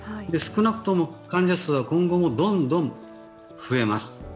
少なくとも患者数は今後もどんどん増えます。